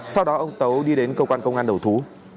sau đó ông tấu đi đến cơ quan công an đầu thú